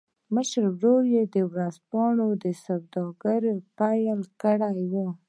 مشر ورور يې د ورځپاڼو سوداګري پیل کړې وه